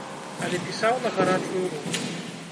Але пісаў на гарачую руку.